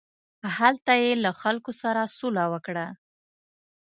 هلته یې له خلکو سره سوله وکړه.